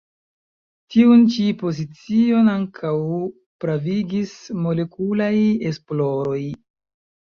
Tiun ĉi pozicion ankaŭ pravigis molekulaj esploroj.